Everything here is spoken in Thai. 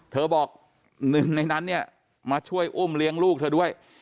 บอกหนึ่งในนั้นเนี่ยมาช่วยอุ้มเลี้ยงลูกเธอด้วย